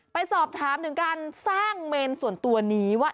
ไปสอบถามถึงการสร้างเมนส่วนตัวนี้ว่า